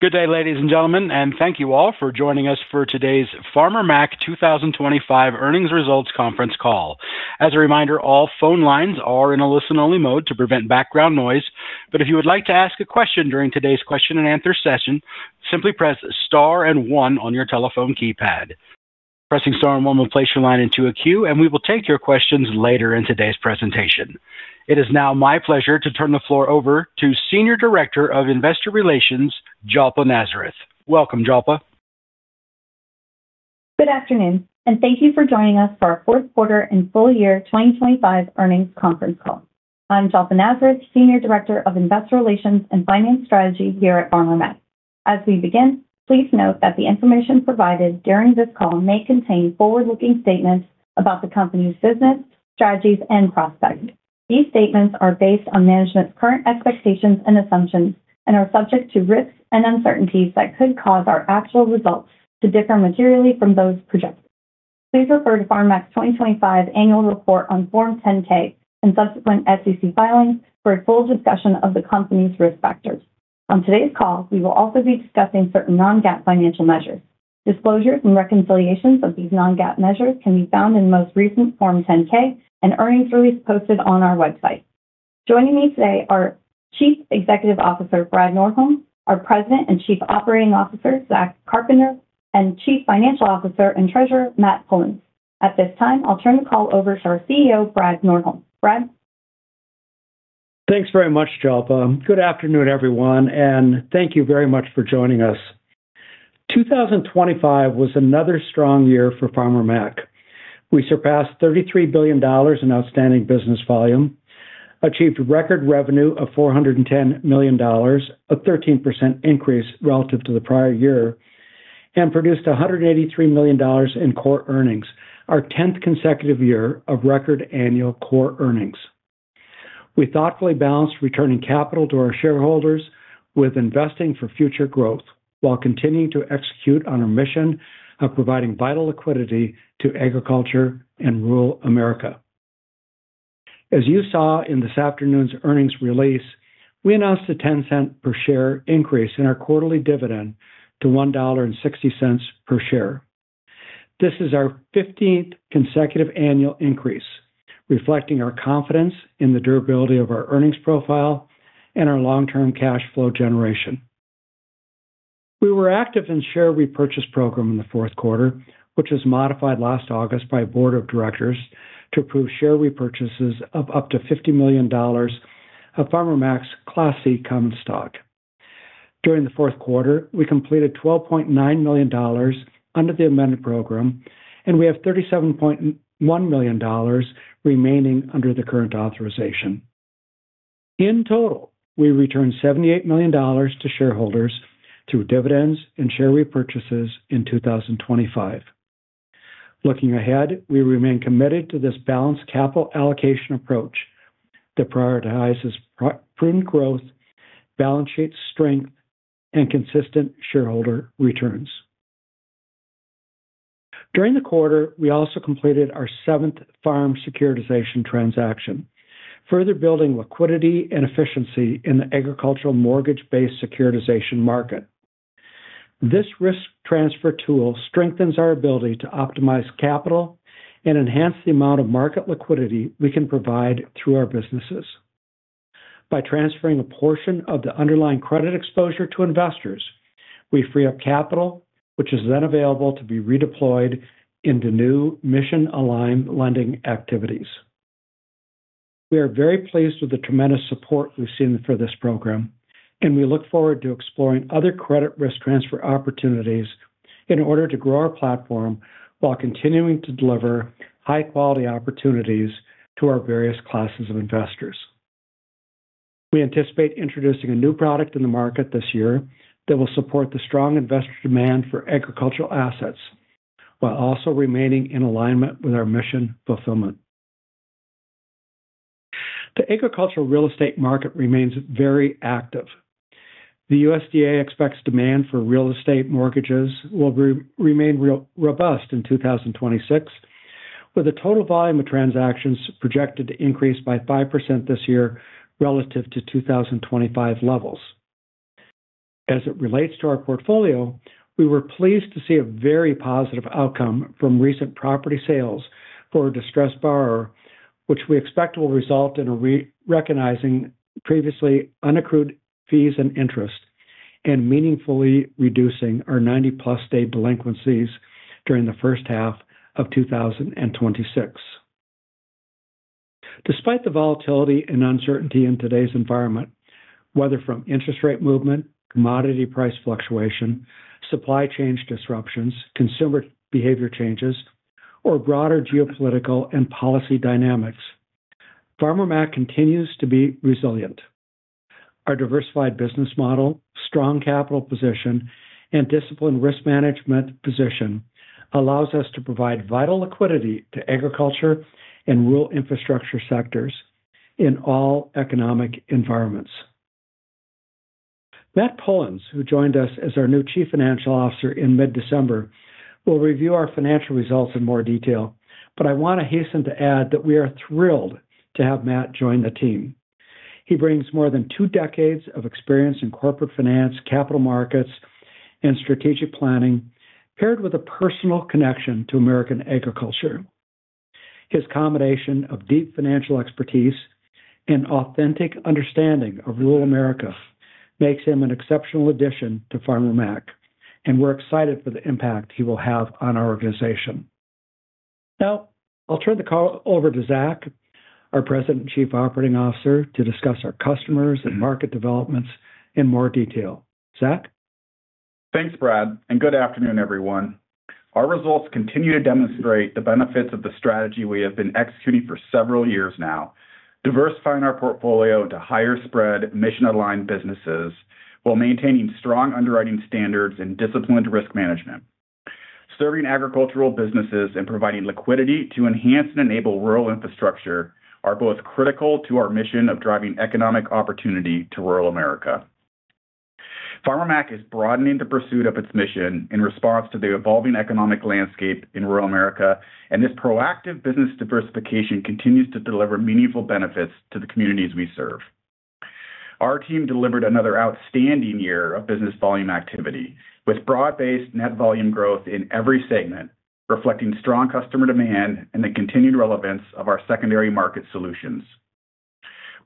Good day, ladies and gentlemen, and thank you all for joining us for today's Farmer Mac 2025 earnings results conference call. As a reminder, all phone lines are in a listen-only mode to prevent background noise. But if you would like to ask a question during today's question-and-answer session, simply press star and one on your telephone keypad. Pressing star and one will place your line into a queue, and we will take your questions later in today's presentation. It is now my pleasure to turn the floor over to Senior Director of Investor Relations, Jalpa Nazareth. Welcome, Jalpa. Good afternoon, and thank you for joining us for our fourth quarter and full year 2025 earnings conference call. I'm Jalpa Nazareth, Senior Director of Investor Relations and Finance Strategy here at Farmer Mac. As we begin, please note that the information provided during this call may contain forward-looking statements about the company's business, strategies, and prospects. These statements are based on management's current expectations and assumptions and are subject to risks and uncertainties that could cause our actual results to differ materially from those projected. Please refer to Farmer Mac's 2025 annual report on Form 10-K and subsequent SEC filings for a full discussion of the company's risk factors. On today's call, we will also be discussing certain Non-GAAP financial measures. Disclosures and reconciliations of these Non-GAAP measures can be found in the most recent Form 10-K and earnings release posted on our website. Joining me today are Chief Executive Officer, Brad Nordholm, our President and Chief Operating Officer, Zach Carpenter, and Chief Financial Officer and Treasurer, Matt Pullins. At this time, I'll turn the call over to our CEO, Brad Nordholm. Brad? Thanks very much, Jalpa. Good afternoon, everyone, and thank you very much for joining us. 2025 was another strong year for Farmer Mac. We surpassed $33 billion in outstanding business volume, achieved record revenue of $410 million, a 13% increase relative to the prior year, and produced $183 million in core earnings, our 10th consecutive year of record annual core earnings. We thoughtfully balanced returning capital to our shareholders with investing for future growth while continuing to execute on our mission of providing vital liquidity to agriculture and rural America. As you saw in this afternoon's earnings release, we announced a $0.10 per share increase in our quarterly dividend to $1.60 per share. This is our 15th consecutive annual increase, reflecting our confidence in the durability of our earnings profile and our long-term cash flow generation. We were active in share repurchase program in the fourth quarter, which was modified last August by a Board of Directors to approve share repurchases of up to $50 million of Farmer Mac's Class C common stock. During the fourth quarter, we completed $12.9 million under the amended program, and we have $37.1 million remaining under the current authorization. In total, we returned $78 million to shareholders through dividends and share repurchases in 2025. Looking ahead, we remain committed to this balanced capital allocation approach that prioritizes prudent growth, balance sheet strength, and consistent shareholder returns. During the quarter, we also completed our seventh farm securitization transaction, further building liquidity and efficiency in the agricultural mortgage-based securitization market. This risk transfer tool strengthens our ability to optimize capital and enhance the amount of market liquidity we can provide through our businesses. By transferring a portion of the underlying credit exposure to investors, we free up capital, which is then available to be redeployed into new mission-aligned lending activities. We are very pleased with the tremendous support we've seen for this program, and we look forward to exploring other credit risk transfer opportunities in order to grow our platform while continuing to deliver high-quality opportunities to our various classes of investors. We anticipate introducing a new product in the market this year that will support the strong investor demand for agricultural assets, while also remaining in alignment with our mission fulfillment. The agricultural real estate market remains very active. The USDA expects demand for real estate mortgages will remain robust in 2026, with a total volume of transactions projected to increase by 5% this year relative to 2025 levels. As it relates to our portfolio, we were pleased to see a very positive outcome from recent property sales for a distressed borrower, which we expect will result in recognizing previously unaccrued fees and interest and meaningfully reducing our 90+ day delinquencies during the first half of 2026. Despite the volatility and uncertainty in today's environment, whether from interest rate movement, commodity price fluctuation, supply chain disruptions, consumer behavior changes, or broader geopolitical and policy dynamics, Farmer Mac continues to be resilient. Our diversified business model, strong capital position, and disciplined risk management position allows us to provide vital liquidity to agriculture and rural infrastructure sectors in all economic environments. Matt Pullins, who joined us as our new Chief Financial Officer in mid-December. We'll review our financial results in more detail, but I want to hasten to add that we are thrilled to have Matt join the team. He brings more than two decades of experience in corporate finance, capital markets, and strategic planning, paired with a personal connection to American agriculture. His combination of deep financial expertise and authentic understanding of rural America makes him an exceptional addition to Farmer Mac, and we're excited for the impact he will have on our organization. Now, I'll turn the call over to Zach, our President and Chief Operating Officer, to discuss our customers and market developments in more detail. Zach? Thanks, Brad, and good afternoon, everyone. Our results continue to demonstrate the benefits of the strategy we have been executing for several years now, diversifying our portfolio to higher spread, mission-aligned businesses while maintaining strong underwriting standards and disciplined risk management. Serving agricultural businesses and providing liquidity to enhance and enable rural infrastructure are both critical to our mission of driving economic opportunity to rural America. Farmer Mac is broadening the pursuit of its mission in response to the evolving economic landscape in rural America, and this proactive business diversification continues to deliver meaningful benefits to the communities we serve. Our team delivered another outstanding year of business volume activity, with broad-based net volume growth in every segment, reflecting strong customer demand and the continued relevance of our secondary market solutions.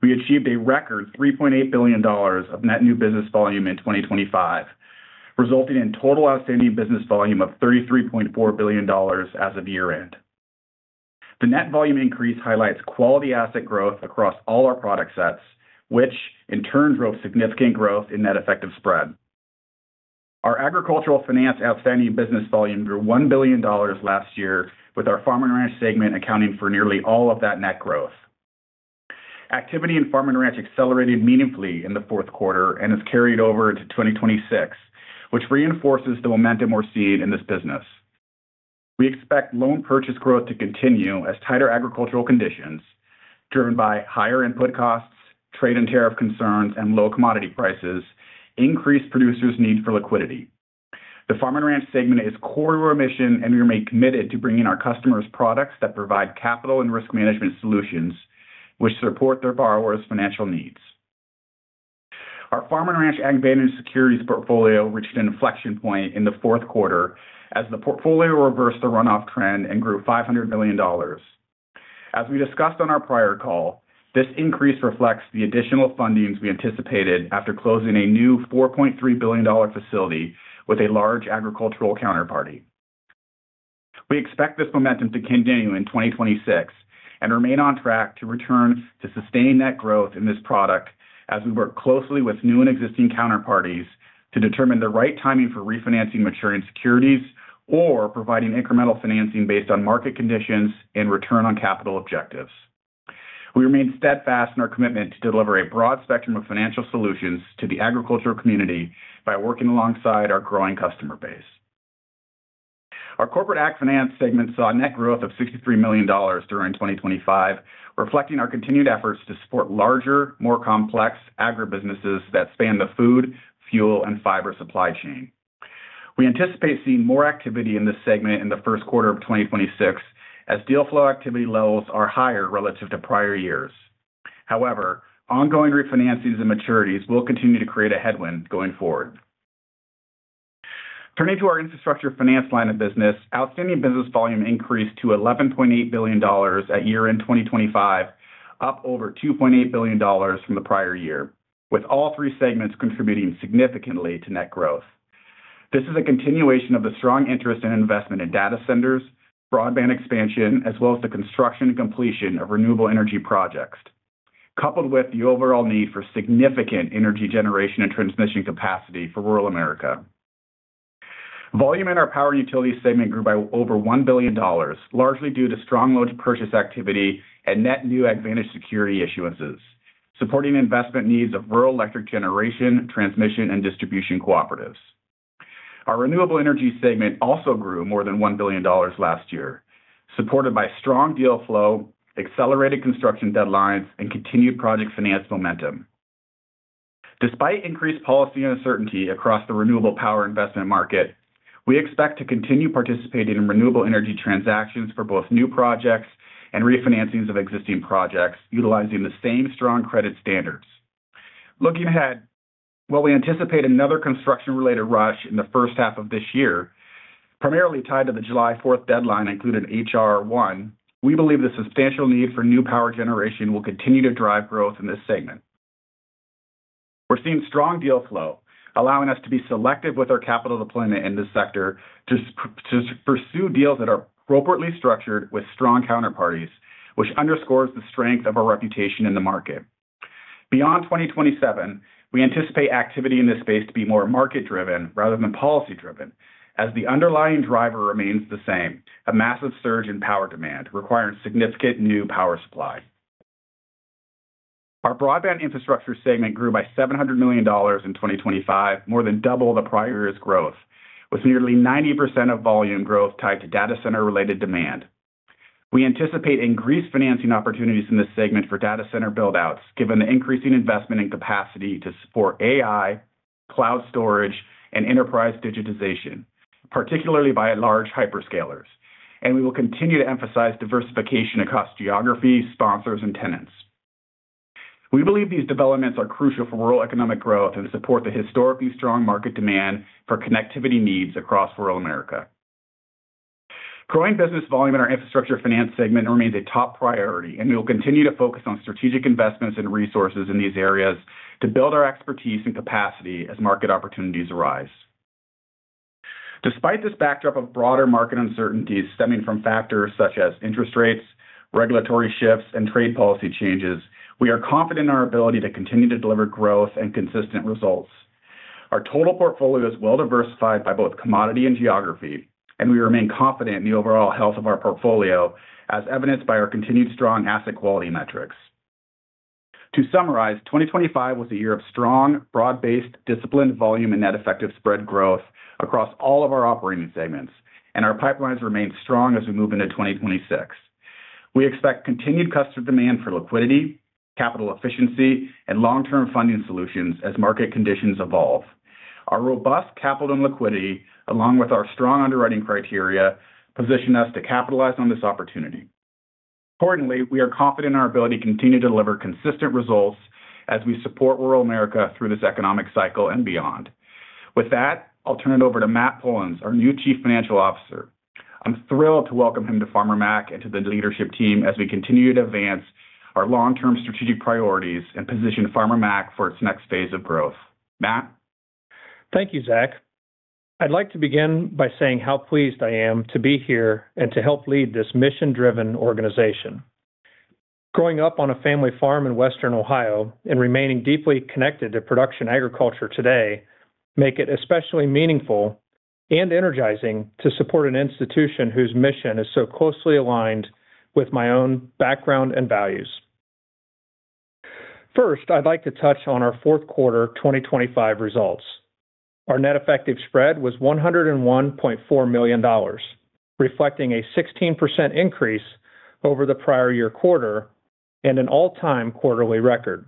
We achieved a record $3.8 billion of net new business volume in 2025, resulting in total outstanding business volume of $33.4 billion as of year-end. The net volume increase highlights quality asset growth across all our product sets, which in turn drove significant growth in Net Effective Spread. Our Agricultural Finance outstanding business volume grew $1 billion last year, with our Farm and Ranch segment accounting for nearly all of that net growth. Activity in Farm and Ranch accelerated meaningfully in the fourth quarter and has carried over into 2026, which reinforces the momentum we're seeing in this business. We expect loan purchase growth to continue as tighter agricultural conditions, driven by higher input costs, trade and tariff concerns, and low commodity prices, increase producers' need for liquidity. The Farm and Ranch segment is core to our mission, and we remain committed to bringing our customers products that provide capital and risk management solutions which support their borrowers' financial needs. Our Farm and Ranch AgVantage securities portfolio reached an inflection point in the fourth quarter as the portfolio reversed the runoff trend and grew $500 million. As we discussed on our prior call, this increase reflects the additional fundings we anticipated after closing a new $4.3 billion facility with a large agricultural counterparty. We expect this momentum to continue in 2026 and remain on track to return to sustained net growth in this product as we work closely with new and existing counterparties to determine the right timing for refinancing maturing securities or providing incremental financing based on market conditions and return on capital objectives. We remain steadfast in our commitment to deliver a broad spectrum of financial solutions to the agricultural community by working alongside our growing customer base. Our Corporate AgFinance segment saw a net growth of $63 million during 2025, reflecting our continued efforts to support larger, more complex agribusinesses that span the food, fuel, and fiber supply chain. We anticipate seeing more activity in this segment in the first quarter of 2026, as deal flow activity levels are higher relative to prior years. However, ongoing refinancings and maturities will continue to create a headwind going forward. Turning to our Infrastructure Finance line of business, outstanding business volume increased to $11.8 billion at year-end 2025, up over $2.8 billion from the prior year, with all three segments contributing significantly to net growth. This is a continuation of the strong interest in investment in data centers, broadband expansion, as well as the construction and completion of Renewable Energy projects, coupled with the overall need for significant energy generation and transmission capacity for rural America. Volume in our Power Utilities segment grew by over $1 billion, largely due to strong loan purchase activity and net new AgVantage Securities issuances, supporting investment needs of rural electric generation, transmission, and distribution cooperatives. Our Renewable Energy segment also grew more than $1 billion last year, supported by strong deal flow, accelerated construction deadlines, and continued project finance momentum. Despite increased policy uncertainty across the renewable power investment market, we expect to continue participating in Renewable Energy transactions for both new projects and refinancings of existing projects, utilizing the same strong credit standards. Looking ahead, while we anticipate another construction-related rush in the first half of this year, primarily tied to the July 4th deadline included in H.R. 1, we believe the substantial need for new power generation will continue to drive growth in this segment. We're seeing strong deal flow, allowing us to be selective with our capital deployment in this sector to pursue deals that are appropriately structured with strong counterparties, which underscores the strength of our reputation in the market. Beyond 2027, we anticipate activity in this space to be more market-driven rather than policy-driven, as the underlying driver remains the same - a massive surge in power demand requiring significant new power supply. Our Broadband Infrastructure segment grew by $700 million in 2025, more than double the prior year's growth, with nearly 90% of volume growth tied to data center-related demand.... We anticipate increased financing opportunities in this segment for data center build-outs, given the increasing investment in capacity to support AI, cloud storage, and enterprise digitization, particularly by large hyperscalers. We will continue to emphasize diversification across geographies, sponsors, and tenants. We believe these developments are crucial for rural economic growth and support the historically strong market demand for connectivity needs across rural America. Growing business volume in our Infrastructure Finance segment remains a top priority, and we will continue to focus on strategic investments and resources in these areas to build our expertise and capacity as market opportunities arise. Despite this backdrop of broader market uncertainties stemming from factors such as interest rates, regulatory shifts, and trade policy changes, we are confident in our ability to continue to deliver growth and consistent results. Our total portfolio is well-diversified by both commodity and geography, and we remain confident in the overall health of our portfolio, as evidenced by our continued strong asset quality metrics. To summarize, 2025 was a year of strong, broad-based, disciplined volume and net effective spread growth across all of our operating segments, and our pipelines remain strong as we move into 2026. We expect continued customer demand for liquidity, capital efficiency, and long-term funding solutions as market conditions evolve. Our robust capital and liquidity, along with our strong underwriting criteria, position us to capitalize on this opportunity. Importantly, we are confident in our ability to continue to deliver consistent results as we support rural America through this economic cycle and beyond. With that, I'll turn it over to Matt Pullins, our new Chief Financial Officer. I'm thrilled to welcome him to Farmer Mac and to the leadership team as we continue to advance our long-term strategic priorities and position Farmer Mac for its next phase of growth. Matt? Thank you, Zach. I'd like to begin by saying how pleased I am to be here and to help lead this mission-driven organization. Growing up on a family farm in Western Ohio and remaining deeply connected to production agriculture today, make it especially meaningful and energizing to support an institution whose mission is so closely aligned with my own background and values. First, I'd like to touch on our fourth quarter 2025 results. Our Net Effective Spread was $101.4 million, reflecting a 16% increase over the prior year quarter and an all-time quarterly record.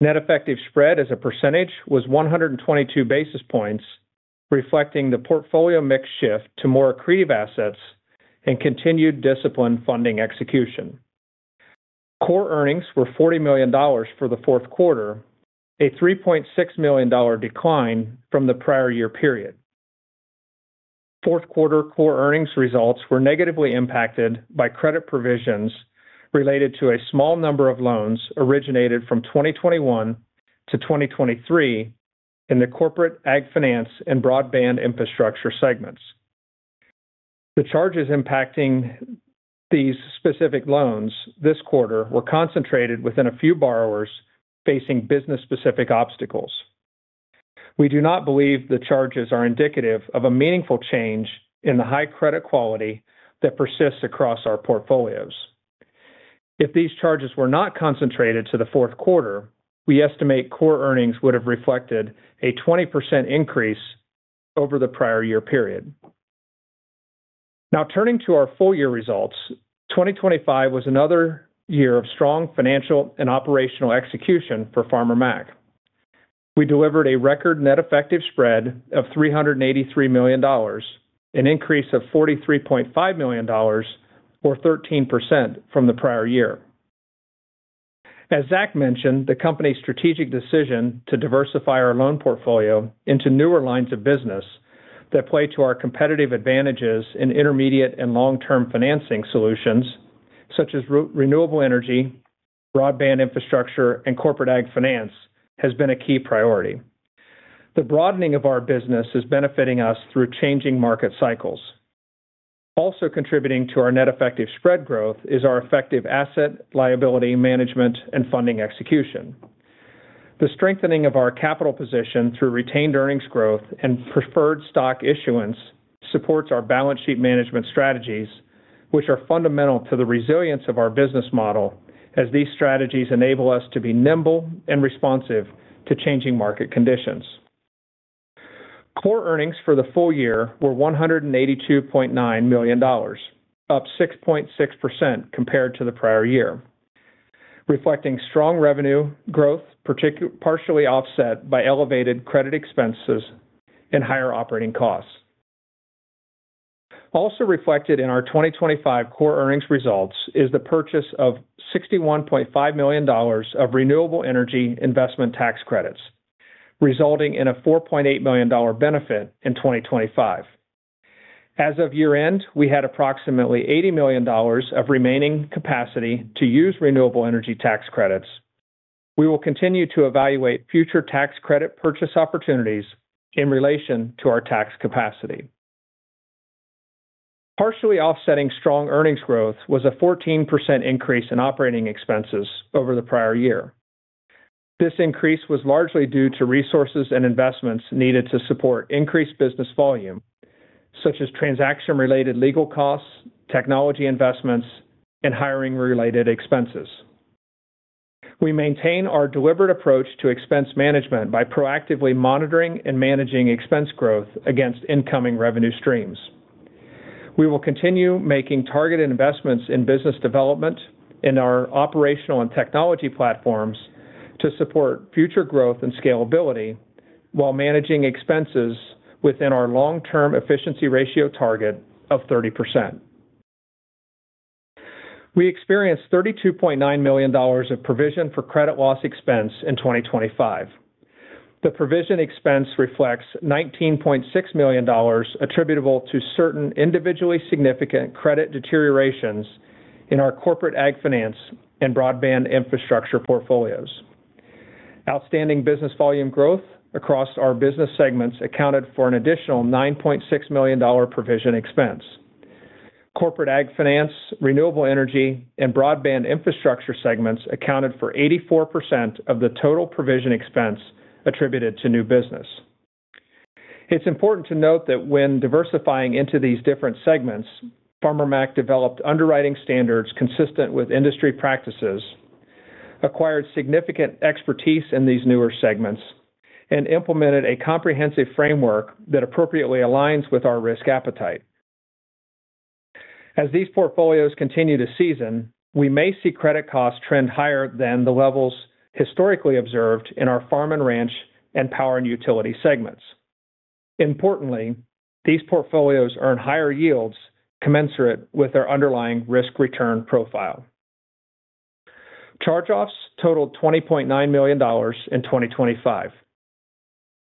Net Effective Spread as a percentage was 122 basis points, reflecting the portfolio mix shift to more accretive assets and continued disciplined funding execution. Core earnings were $40 million for the fourth quarter, a $3.6 million decline from the prior year period. Fourth quarter core earnings results were negatively impacted by credit provisions related to a small number of loans originated from 2021 to 2023 in the Corporate AgFinance and Broadband Infrastructure segments. The charges impacting these specific loans this quarter were concentrated within a few borrowers facing business-specific obstacles. We do not believe the charges are indicative of a meaningful change in the high credit quality that persists across our portfolios. If these charges were not concentrated to the fourth quarter, we estimate core earnings would have reflected a 20% increase over the prior year period. Now, turning to our full year results, 2025 was another year of strong financial and operational execution for Farmer Mac. We delivered a record net effective spread of $383 million, an increase of $43.5 million or 13% from the prior year. As Zach mentioned, the company's strategic decision to diversify our loan portfolio into newer lines of business that play to our competitive advantages in intermediate and long-term financing solutions, such as Renewable Energy, Broadband Infrastructure, and Corporate AgFinance, has been a key priority. The broadening of our business is benefiting us through changing market cycles. Also contributing to our net effective spread growth is our effective asset, liability management, and funding execution. The strengthening of our capital position through retained earnings growth and preferred stock issuance supports our balance sheet management strategies, which are fundamental to the resilience of our business model, as these strategies enable us to be nimble and responsive to changing market conditions. Core Earnings for the full year were $182.9 million, up 6.6% compared to the prior year, reflecting strong revenue growth, partially offset by elevated credit expenses and higher operating costs. Also reflected in our 2025 Core Earnings results is the purchase of $61.5 million of Renewable Energy investment tax credits, resulting in a $4.8 million benefit in 2025. As of year-end, we had approximately $80 million of remaining capacity to use Renewable Energy tax credits. We will continue to evaluate future tax credit purchase opportunities in relation to our tax capacity. Partially offsetting strong earnings growth was a 14% increase in operating expenses over the prior year. This increase was largely due to resources and investments needed to support increased business volume, such as transaction-related legal costs, technology investments, and hiring-related expenses... We maintain our deliberate approach to expense management by proactively monitoring and managing expense growth against incoming revenue streams. We will continue making targeted investments in business development, in our operational and technology platforms to support future growth and scalability, while managing expenses within our long-term efficiency ratio target of 30%. We experienced $32.9 million of provision for credit loss expense in 2025. The provision expense reflects $19.6 million attributable to certain individually significant credit deteriorations in our Corporate AgFinance and Broadband Infrastructure portfolios. Outstanding business volume growth across our business segments accounted for an additional $9.6 million dollar provision expense. Corporate AgFinance, Renewable Energy, and Broadband Infrastructure segments accounted for 84% of the total provision expense attributed to new business. It's important to note that when diversifying into these different segments, Farmer Mac developed underwriting standards consistent with industry practices, acquired significant expertise in these newer segments, and implemented a comprehensive framework that appropriately aligns with our risk appetite. As these portfolios continue to season, we may see credit costs trend higher than the levels historically observed in our Farm and Ranch and Power and Utility segments. Importantly, these portfolios earn higher yields commensurate with their underlying risk-return profile. Charge-offs totaled $20.9 million in 2025,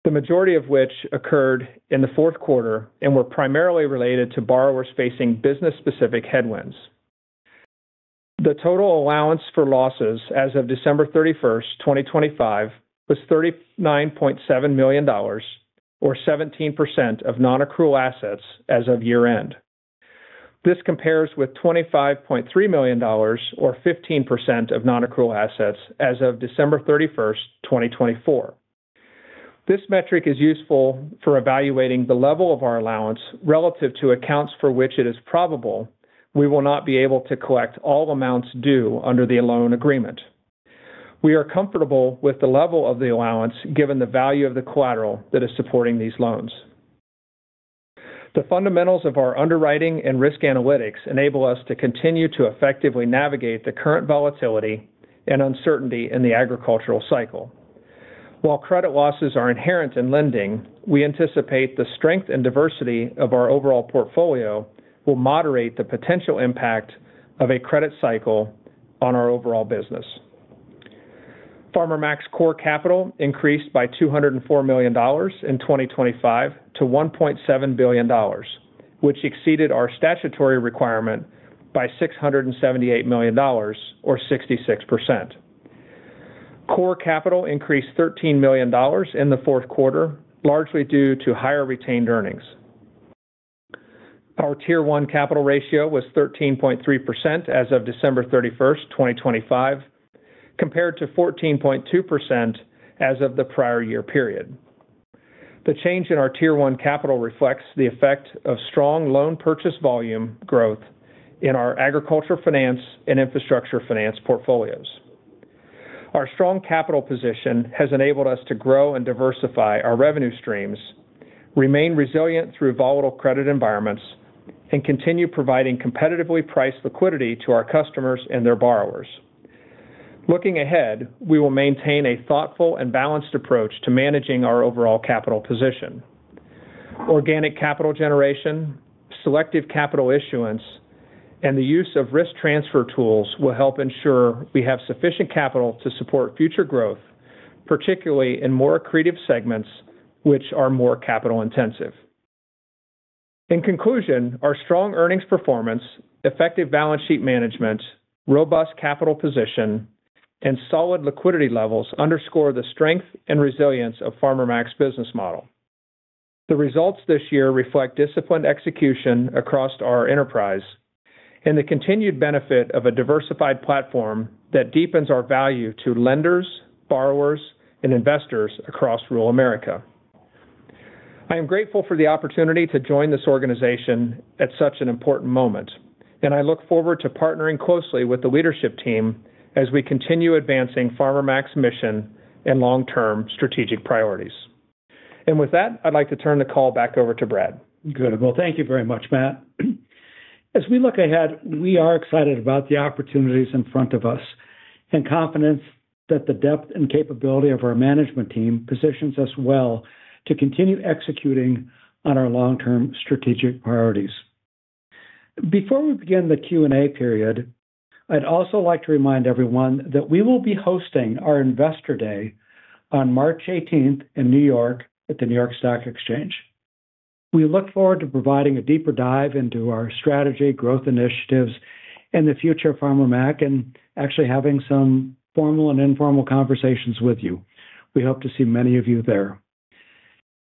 the majority of which occurred in the fourth quarter and were primarily related to borrowers facing business-specific headwinds. The total allowance for losses as of December 31, 2025, was $39.7 million, or 17% of nonaccrual assets as of year-end. This compares with $25.3 million, or 15% of nonaccrual assets as of December 31, 2024. This metric is useful for evaluating the level of our allowance relative to accounts for which it is probable we will not be able to collect all amounts due under the loan agreement. We are comfortable with the level of the allowance, given the value of the collateral that is supporting these loans. The fundamentals of our underwriting and risk analytics enable us to continue to effectively navigate the current volatility and uncertainty in the agricultural cycle. While credit losses are inherent in lending, we anticipate the strength and diversity of our overall portfolio will moderate the potential impact of a credit cycle on our overall business. Farmer Mac's Core Capital increased by $204 million in 2025 to $1.7 billion, which exceeded our statutory requirement by $678 million, or 66%. Core Capital increased $13 million in the fourth quarter, largely due to higher retained earnings. Our Tier 1 capital ratio was 13.3% as of December 31, 2025, compared to 14.2% as of the prior year period. The change in our Tier 1 capital reflects the effect of strong loan purchase volume growth in our agriculture finance and Infrastructure Finance portfolios. Our strong capital position has enabled us to grow and diversify our revenue streams, remain resilient through volatile credit environments, and continue providing competitively priced liquidity to our customers and their borrowers. Looking ahead, we will maintain a thoughtful and balanced approach to managing our overall capital position. Organic capital generation, selective capital issuance, and the use of risk transfer tools will help ensure we have sufficient capital to support future growth, particularly in more accretive segments, which are more capital intensive. In conclusion, our strong earnings performance, effective balance sheet management, robust capital position, and solid liquidity levels underscore the strength and resilience of Farmer Mac's business model. The results this year reflect disciplined execution across our enterprise and the continued benefit of a diversified platform that deepens our value to lenders, borrowers, and investors across rural America. I am grateful for the opportunity to join this organization at such an important moment, and I look forward to partnering closely with the leadership team as we continue advancing Farmer Mac's mission and long-term strategic priorities. With that, I'd like to turn the call back over to Brad. Good. Well, thank you very much, Matt. As we look ahead, we are excited about the opportunities in front of us and confidence that the depth and capability of our management team positions us well to continue executing on our long-term strategic priorities. Before we begin the Q&A period, I'd also like to remind everyone that we will be hosting our Investor Day on March eighteenth in New York at the New York Stock Exchange. We look forward to providing a deeper dive into our strategy, growth initiatives, and the future of Farmer Mac, and actually having some formal and informal conversations with you. We hope to see many of you there.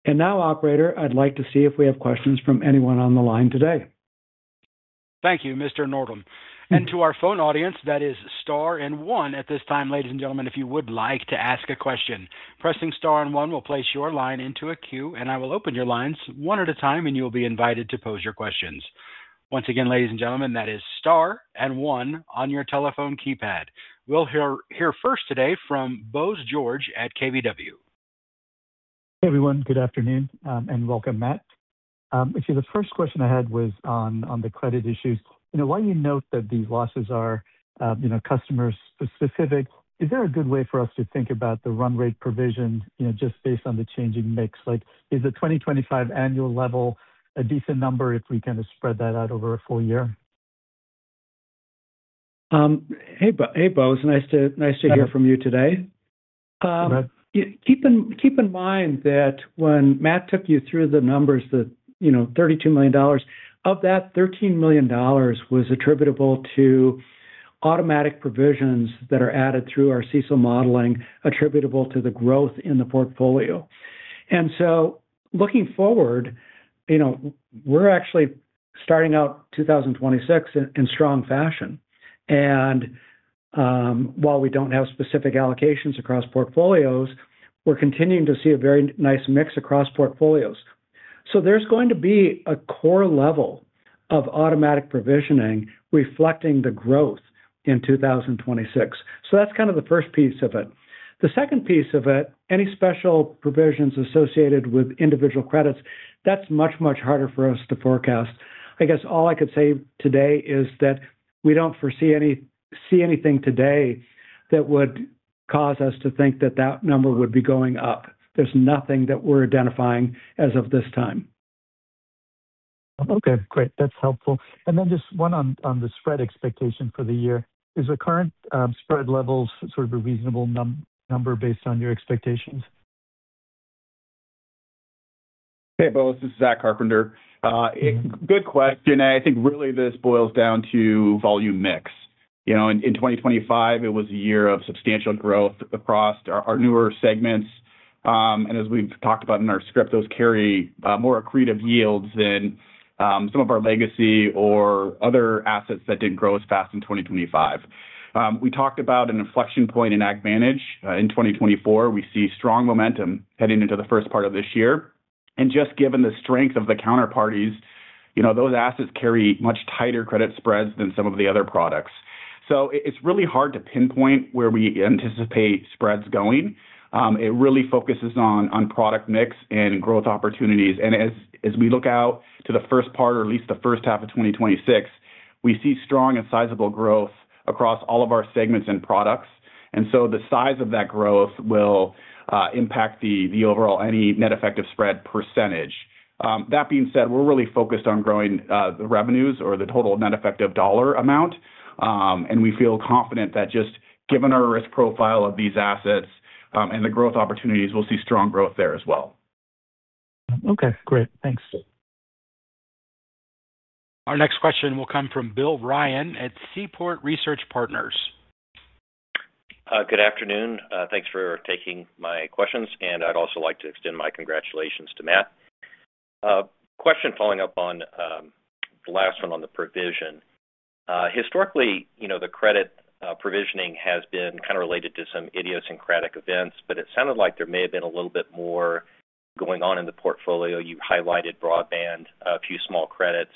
And now, operator, I'd like to see if we have questions from anyone on the line today. Thank you, Mr. Nordholm. To our phone audience, that is star and one. At this time, ladies and gentlemen, if you would like to ask a question, pressing star and one will place your line into a queue, and I will open your lines one at a time, and you'll be invited to pose your questions. ...Once again, ladies and gentlemen, that is star and one on your telephone keypad. We'll hear first today from Bose George at KBW. Hey, everyone. Good afternoon, and welcome, Matt. Actually, the first question I had was on, on the credit issues. You know, while you note that these losses are, you know, customer-specific, is there a good way for us to think about the run rate provision, you know, just based on the changing mix? Like, is the 2025 annual level a decent number if we kind of spread that out over a full year? Hey, Bose. Nice to hear from you today. Hi. Keep in mind that when Matt took you through the numbers, that you know, $32 million, of that, $13 million was attributable to automatic provisions that are added through our CECL modeling, attributable to the growth in the portfolio. And so, looking forward, you know, we're actually starting out 2026 in strong fashion. And, while we don't have specific allocations across portfolios, we're continuing to see a very nice mix across portfolios. So there's going to be a core level of automatic provisioning reflecting the growth in 2026. So that's kind of the first piece of it. The second piece of it, any special provisions associated with individual credits, that's much, much harder for us to forecast. I guess all I could say today is that we don't foresee anything today that would cause us to think that that number would be going up. There's nothing that we're identifying as of this time. Okay, great. That's helpful. And then just one on the spread expectation for the year. Is the current spread levels sort of a reasonable number based on your expectations? Hey, Bose, this is Zach Carpenter. Good question, and I think really this boils down to volume mix. You know, in 2025, it was a year of substantial growth across our newer segments. And as we've talked about in our script, those carry more accretive yields than some of our legacy or other assets that didn't grow as fast in 2025. We talked about an inflection point in AgVantage in 2024. We see strong momentum heading into the first part of this year. And just given the strength of the counterparties, you know, those assets carry much tighter credit spreads than some of the other products. So it's really hard to pinpoint where we anticipate spreads going. It really focuses on product mix and growth opportunities. As we look out to the first part, or at least the first half of 2026, we see strong and sizable growth across all of our segments and products. So the size of that growth will impact the overall any Net Effective Spread percentage. That being said, we're really focused on growing the revenues or the total net effective dollar amount. And we feel confident that just given our risk profile of these assets and the growth opportunities, we'll see strong growth there as well. Okay, great. Thanks. Our next question will come from Bill Ryan at Seaport Research Partners. Good afternoon. Thanks for taking my questions, and I'd also like to extend my congratulations to Matt. Question following up on the last one on the provision. Historically, you know, the credit provisioning has been kind of related to some idiosyncratic events, but it sounded like there may have been a little bit more going on in the portfolio. You highlighted broadband, a few small credits,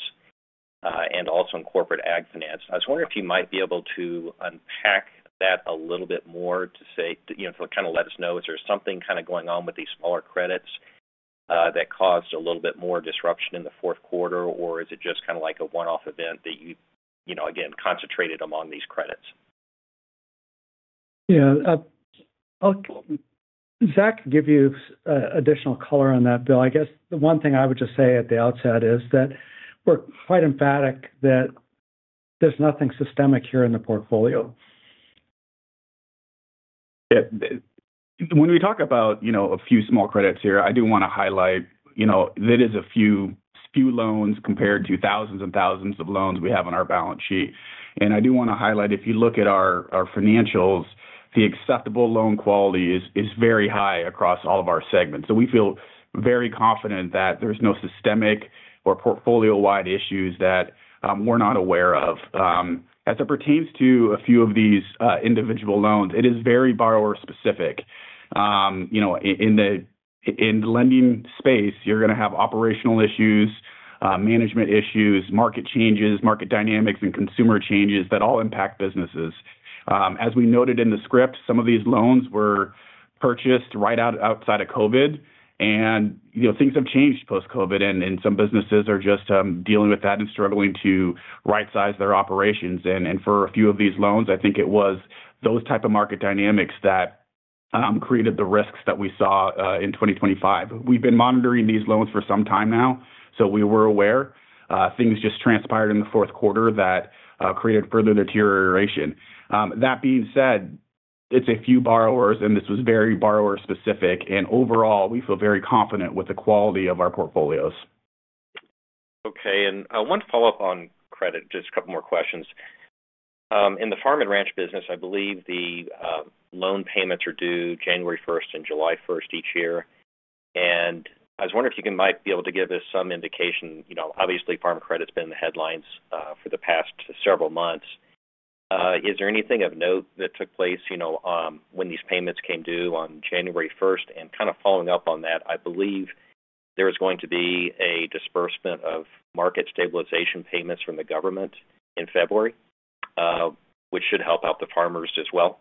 and also in Corporate AgFinance. I was wondering if you might be able to unpack that a little bit more to say... You know, to kind of let us know, is there something kind of going on with these smaller credits that caused a little bit more disruption in the fourth quarter? Or is it just kind of like a one-off event that you, you know, again, concentrated among these credits? Yeah. Zach could give you additional color on that, Bill. I guess the one thing I would just say at the outset is that we're quite emphatic that there's nothing systemic here in the portfolio. Yeah. When we talk about, you know, a few small credits here, I do want to highlight, you know, that is a few loans compared to thousands and thousands of loans we have on our balance sheet. And I do want to highlight, if you look at our financials, the acceptable loan quality is very high across all of our segments. So we feel very confident that there's no systemic or portfolio-wide issues that we're not aware of. As it pertains to a few of these individual loans, it is very borrower-specific. You know, in the lending space, you're going to have operational issues, management issues, market changes, market dynamics, and consumer changes that all impact businesses. As we noted in the script, some of these loans were purchased right outside of COVID. You know, things have changed post-COVID, and some businesses are just dealing with that and struggling to rightsize their operations. For a few of these loans, I think it was those type of market dynamics that created the risks that we saw in 2025. We've been monitoring these loans for some time now, so we were aware. Things just transpired in the fourth quarter that created further deterioration. That being said, it's a few borrowers, and this was very borrower-specific, and overall, we feel very confident with the quality of our portfolios. Okay, and I want to follow up on credit. Just a couple more questions. In the Farm and Ranch business, I believe the loan payments are due January first and July first each year, and I was wondering if you might be able to give us some indication. You know, obviously, Farm Credit's been in the headlines for the past several months. Is there anything of note that took place, you know, when these payments came due on January first? And kind of following up on that, I believe there is going to be a disbursement of market stabilization payments from the government in February, which should help out the farmers as well.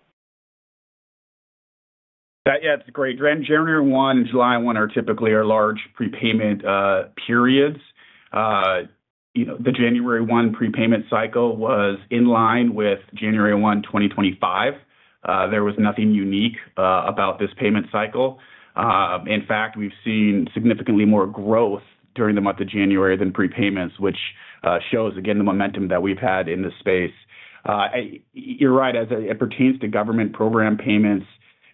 Yeah, it's great. January 1 and July 1 are typically our large prepayment periods. You know, the January 1 prepayment cycle was in line with January 1, 2025. There was nothing unique about this payment cycle. In fact, we've seen significantly more growth during the month of January than prepayments, which shows, again, the momentum that we've had in this space. You're right, as it pertains to government program payments,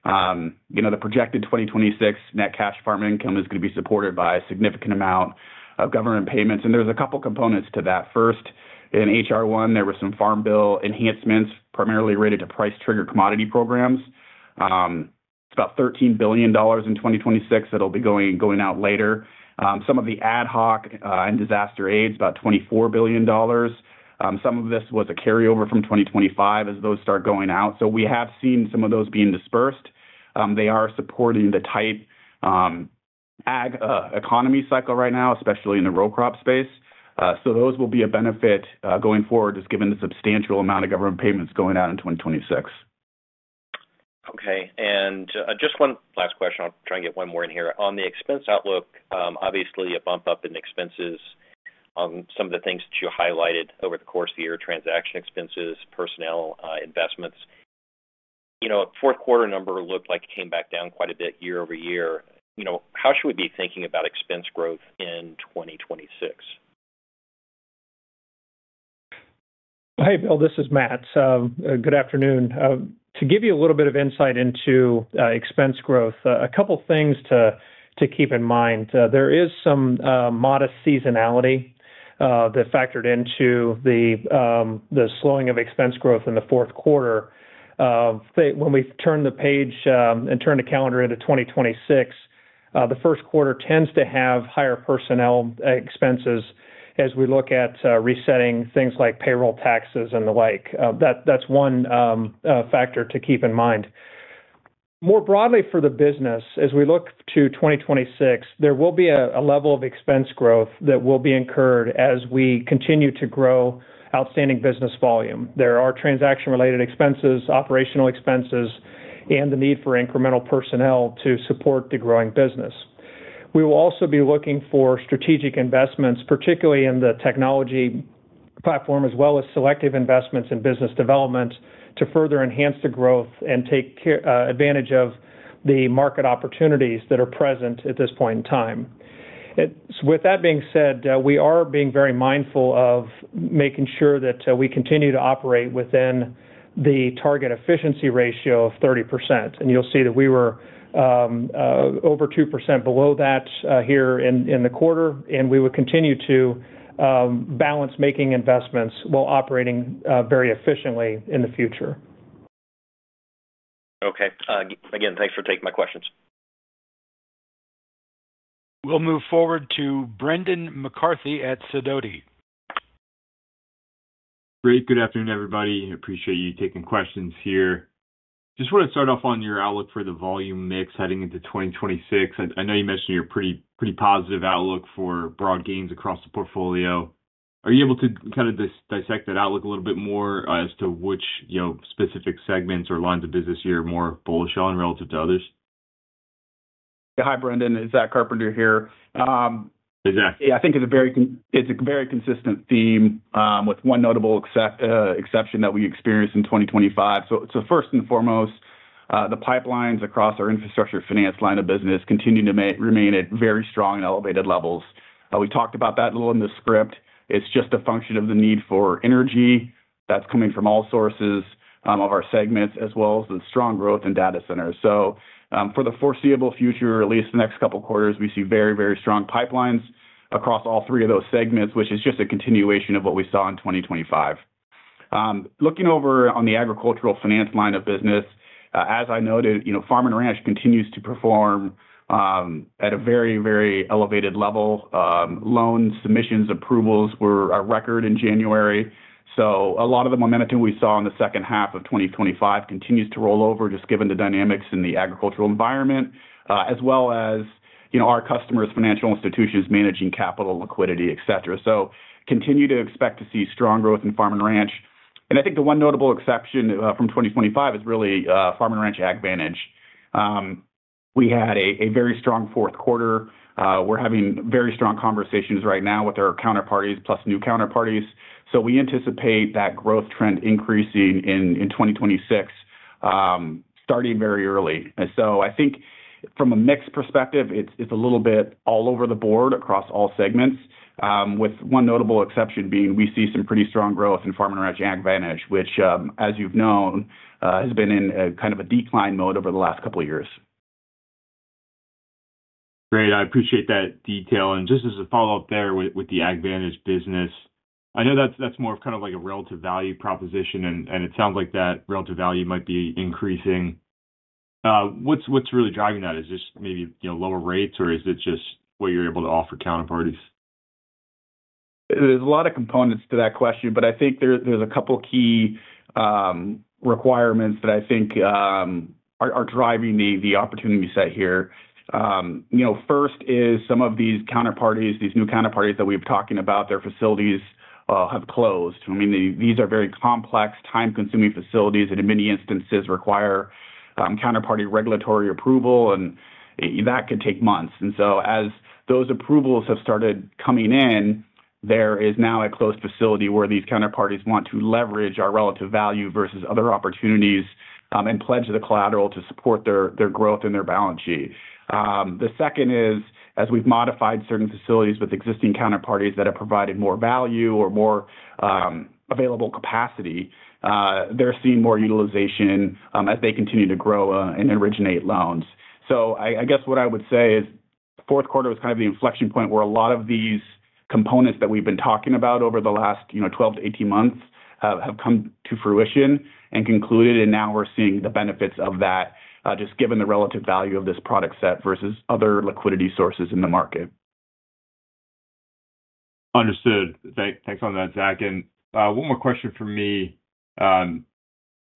you know, the projected 2026 net cash farming income is going to be supported by a significant amount of government payments, and there's a couple components to that. First, in H.R. 1, there were some Farm Bill enhancements, primarily related to price trigger commodity programs. It's about $13 billion in 2026. It'll be going, going out later. Some of the ad hoc and disaster aids, about $24 billion. Some of this was a carryover from 2025 as those start going out. So we have seen some of those being dispersed. They are supporting the tight ag economy cycle right now, especially in the row crop space. So those will be a benefit going forward, just given the substantial amount of government payments going out in 2026. Okay, and just one last question. I'll try and get one more in here. On the expense outlook, obviously, a bump up in expenses on some of the things that you highlighted over the course of the year: transaction expenses, personnel, investments. You know, fourth quarter number looked like it came back down quite a bit year-over-year. You know, how should we be thinking about expense growth in 2026? Hey, Bill, this is Matt. Good afternoon. To give you a little bit of insight into expense growth, a couple of things to keep in mind. There is some modest seasonality that factored into the slowing of expense growth in the fourth quarter. When we turn the page and turn the calendar into 2026, the first quarter tends to have higher personnel expenses as we look at resetting things like payroll taxes and the like. That's one factor to keep in mind. More broadly for the business, as we look to 2026, there will be a level of expense growth that will be incurred as we continue to grow outstanding business volume. There are transaction-related expenses, operational expenses, and the need for incremental personnel to support the growing business. We will also be looking for strategic investments, particularly in the technology platform, as well as selective investments in business development, to further enhance the growth and take advantage of the market opportunities that are present at this point in time. With that being said, we are being very mindful of making sure that we continue to operate within the target efficiency ratio of 30%. You'll see that we were over 2% below that here in the quarter, and we will continue to balance making investments while operating very efficiently in the future. Okay. Again, thanks for taking my questions. We'll move forward to Brendan McCarthy at Sidoti. Great. Good afternoon, everybody. Appreciate you taking questions here. Just want to start off on your outlook for the volume mix heading into 2026. I know you mentioned you're pretty, pretty positive outlook for broad gains across the portfolio. Are you able to kind of dissect that outlook a little bit more, as to which, you know, specific segments or lines of business you're more bullish on relative to others? Hi, Brendan. It's Zach Carpenter here. Hey, Zach. Yeah, I think it's a very consistent theme with one notable exception that we experienced in 2025. So first and foremost, the pipelines across our Infrastructure Finance line of business continue to remain at very strong and elevated levels. We talked about that a little in the script. It's just a function of the need for energy that's coming from all sources of our segments, as well as the strong growth in data centers. So for the foreseeable future, at least the next couple of quarters, we see very, very strong pipelines across all three of those segments, which is just a continuation of what we saw in 2025. Looking over on the Agricultural Finance line of business, as I noted, you know, Farm and Ranch continues to perform at a very, very elevated level. Loan submissions, approvals were a record in January. So a lot of the momentum we saw in the second half of 2025 continues to roll over, just given the dynamics in the agricultural environment, as well as, you know, our customers, financial institutions, managing capital, liquidity, et cetera. So continue to expect to see strong growth in Farm and Ranch. And I think the one notable exception from 2025 is really Farm and Ranch AgVantage. We had a very strong fourth quarter. We're having very strong conversations right now with our counterparties, plus new counterparties. So we anticipate that growth trend increasing in 2026, starting very early. And so I think from a mix perspective, it's a little bit all over the board across all segments, with one notable exception being we see some pretty strong growth in Farm and Ranch AgVantage, which, as you've known, has been in a kind of a decline mode over the last couple of years. Great. I appreciate that detail. And just as a follow-up there with the AgVantage business, I know that's more of kind of like a relative value proposition, and it sounds like that relative value might be increasing. What's really driving that? Is this maybe, you know, lower rates, or is it just what you're able to offer counterparties?... There's a lot of components to that question, but I think there, there's a couple key requirements that I think are driving the opportunity set here. You know, first is some of these counterparties, these new counterparties that we've been talking about, their facilities have closed. I mean, these are very complex, time-consuming facilities that in many instances require counterparty regulatory approval, and that could take months. And so as those approvals have started coming in, there is now a closed facility where these counterparties want to leverage our relative value versus other opportunities and pledge the collateral to support their growth and their balance sheet. The second is, as we've modified certain facilities with existing counterparties that have provided more value or more available capacity, they're seeing more utilization as they continue to grow and originate loans. So I guess what I would say is fourth quarter was kind of the inflection point where a lot of these components that we've been talking about over the last, you know, 12-18 months, have come to fruition and concluded, and now we're seeing the benefits of that, just given the relative value of this product set versus other liquidity sources in the market. Understood. Thanks on that, Zach. And, one more question from me.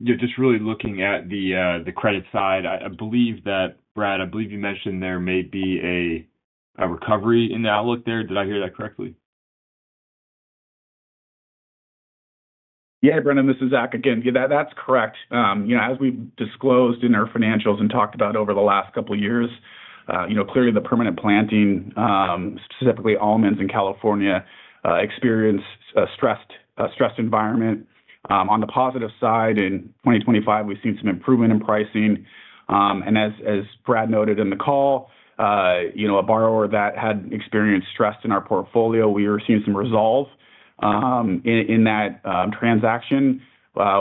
Just really looking at the credit side, I believe that, Brad, I believe you mentioned there may be a recovery in the outlook there. Did I hear that correctly? Yeah, Brendan, this is Zach again. Yeah, that, that's correct. You know, as we've disclosed in our financials and talked about over the last couple of years, you know, clearly the permanent planting, specifically almonds in California, experienced a stressed, a stressed environment. On the positive side, in 2025, we've seen some improvement in pricing. And as, as Brad noted in the call, you know, a borrower that had experienced stress in our portfolio, we are seeing some resolve, in, in that, transaction,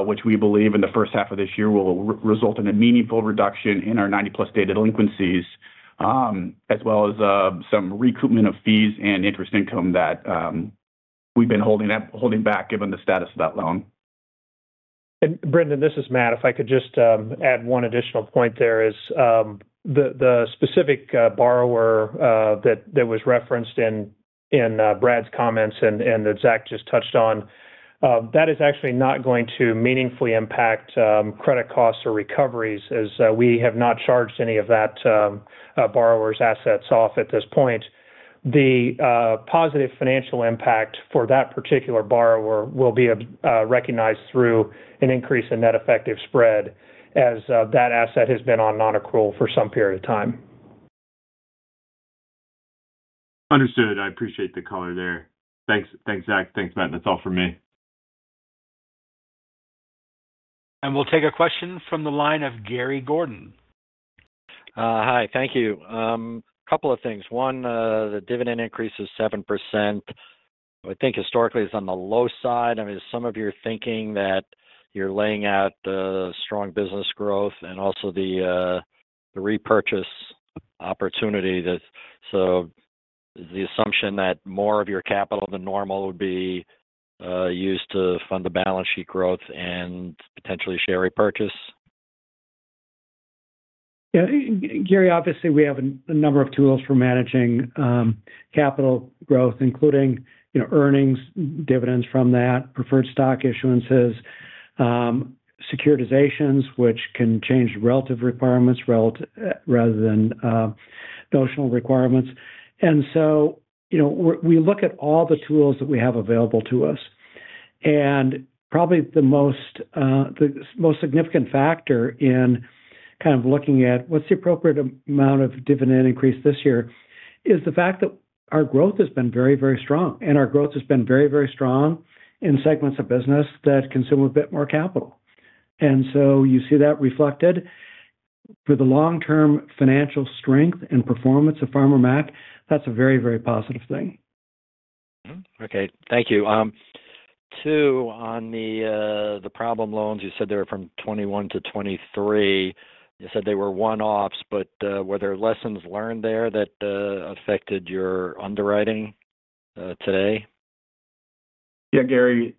which we believe in the first half of this year will result in a meaningful reduction in our 90+ day delinquencies, as well as, some recoupment of fees and interest income that, we've been holding back, given the status of that loan. And Brendan, this is Matt. If I could just add one additional point, there is the specific borrower that was referenced in Brad's comments and that Zach just touched on. That is actually not going to meaningfully impact credit costs or recoveries, as we have not charged any of that borrower's assets off at this point. The positive financial impact for that particular borrower will be recognized through an increase in Net Effective Spread as that asset has been on nonaccrual for some period of time. Understood. I appreciate the color there. Thanks. Thanks, Zach. Thanks, Matt. That's all for me. We'll take a question from the line of Gary Gordon. Hi, thank you. A couple of things. One, the dividend increase is 7%. I think historically it's on the low side. I mean, some of your thinking that you're laying out, strong business growth and also the repurchase opportunity. That's so the assumption that more of your capital than normal would be used to fund the balance sheet growth and potentially share repurchase? Yeah, Gary, obviously, we have a number of tools for managing capital growth, including, you know, earnings, dividends from that, preferred stock issuances, securitizations, which can change relative requirements, rather than notional requirements. And so, you know, we look at all the tools that we have available to us, and probably the most significant factor in kind of looking at what's the appropriate amount of dividend increase this year is the fact that our growth has been very, very strong. And our growth has been very, very strong in segments of business that consume a bit more capital. And so you see that reflected. For the long-term financial strength and performance of Farmer Mac, that's a very, very positive thing. Okay, thank you. Two, on the problem loans, you said they were from 2021 to 2023. You said they were one-offs, but were there lessons learned there that affected your underwriting today? Yeah, Gary,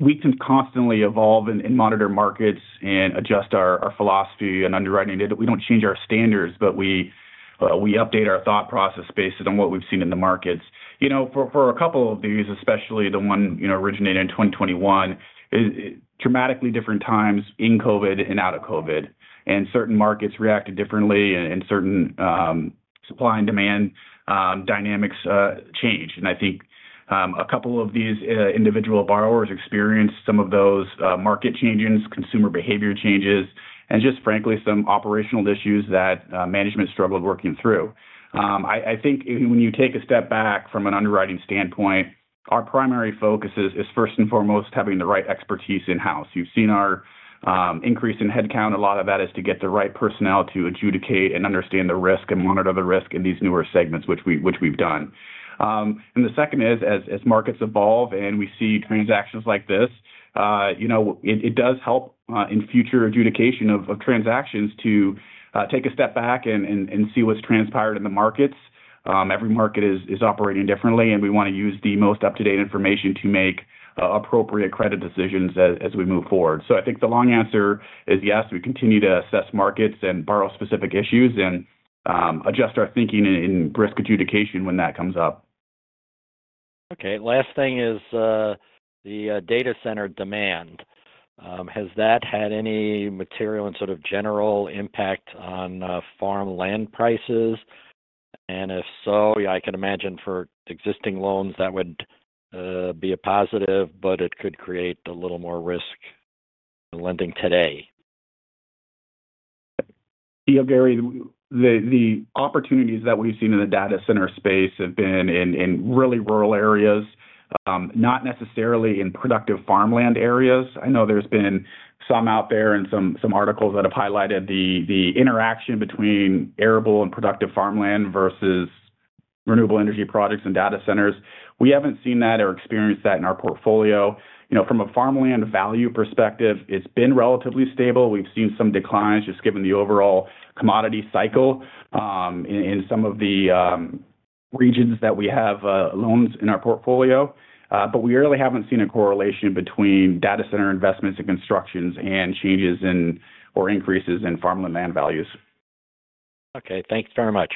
we can constantly evolve and monitor markets and adjust our philosophy and underwriting. We don't change our standards, but we update our thought process based on what we've seen in the markets. You know, for a couple of these, especially the one originated in 2021, is dramatically different times in COVID and out of COVID, and certain markets reacted differently and certain supply and demand dynamics changed. And I think a couple of these individual borrowers experienced some of those market changes, consumer behavior changes, and just frankly, some operational issues that management struggled working through. I think when you take a step back from an underwriting standpoint, our primary focus is first and foremost having the right expertise in-house. You've seen our increase in headcount. A lot of that is to get the right personnel to adjudicate and understand the risk and monitor the risk in these newer segments, which we've done. And the second is, as markets evolve and we see transactions like this, you know, it does help in future adjudication of transactions to take a step back and see what's transpired in the markets. Every market is operating differently, and we want to use the most up-to-date information to make appropriate credit decisions as we move forward. So I think the long answer is yes, we continue to assess markets and borrower specific issues and adjust our thinking in risk adjudication when that comes up. ... Okay, last thing is, the data center demand. Has that had any material and sort of general impact on farm land prices? And if so, I can imagine for existing loans, that would be a positive, but it could create a little more risk in lending today. You know, Gary, the opportunities that we've seen in the data center space have been in really rural areas, not necessarily in productive farmland areas. I know there's been some out there and some articles that have highlighted the interaction between arable and productive farmland versus Renewable Energy projects and data centers. We haven't seen that or experienced that in our portfolio. You know, from a farmland value perspective, it's been relatively stable. We've seen some declines, just given the overall commodity cycle, in some of the regions that we have loans in our portfolio. But we really haven't seen a correlation between data center investments and constructions and changes in, or increases in farmland land values. Okay, thanks very much.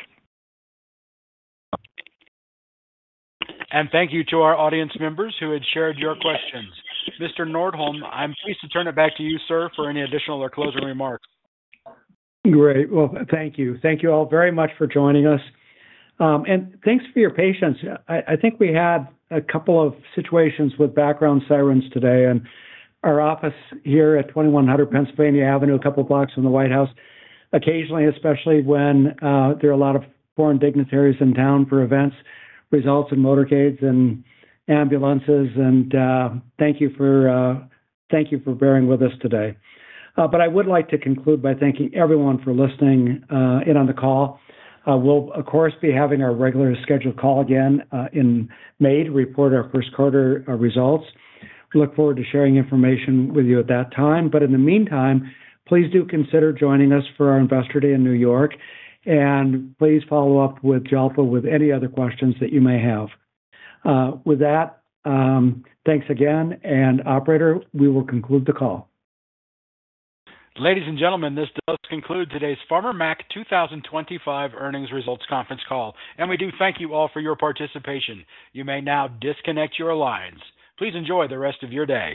Thank you to our audience members who had shared your questions. Mr. Nordholm, I'm pleased to turn it back to you, sir, for any additional or closing remarks. Great. Well, thank you. Thank you all very much for joining us. And thanks for your patience. I think we had a couple of situations with background sirens today, and our office here at 2100 Pennsylvania Avenue, a couple blocks from the White House, occasionally, especially when there are a lot of foreign dignitaries in town for events, results in motorcades and ambulances, and thank you for thank you for bearing with us today. But I would like to conclude by thanking everyone for listening in on the call. We'll of course be having our regularly scheduled call again in May to report our first quarter results. We look forward to sharing information with you at that time. But in the meantime, please do consider joining us for our Investor Day in New York, and please follow up with Jalpa with any other questions that you may have. With that, thanks again, and operator, we will conclude the call. Ladies and gentlemen, this does conclude today's Farmer Mac 2025 earnings results conference call. We do thank you all for your participation. You may now disconnect your lines. Please enjoy the rest of your day.